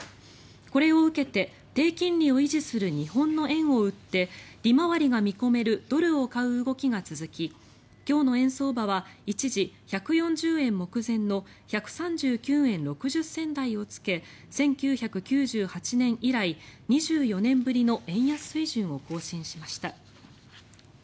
これを受けて、低金利を維持する日本の円を売って利回りが見込めるドルを買う動きが続き今日の円相場は一時、１４０円目前の１３９円６０銭台をつけ１９９８年以来２４年ぶりの円安水準を更新しました。